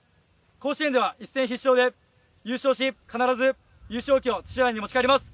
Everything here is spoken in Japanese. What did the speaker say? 甲子園では一戦必勝で優勝し必ず、優勝旗を土浦に持ち帰ります。